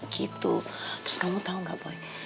gitu terus kamu tau nggak boy